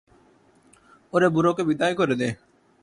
ওরে, বুড়োকে বিদায় করে দে।